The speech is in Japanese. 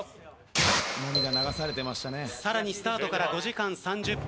さらにスタートから５時間３０分。